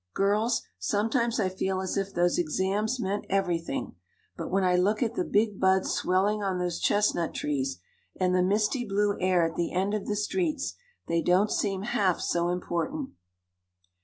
Girls, sometimes I feel as if those exams meant everything, but when I look at the big buds swelling on those chestnut trees and the misty blue air at the end of the streets they don't seem half so important."